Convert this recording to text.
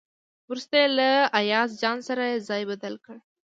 وروسته یې له ایاز جان سره ځای بدل کړ.